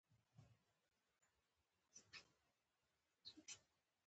ته اوس له دې فېصلې څخه مخ نشې ګرځولى.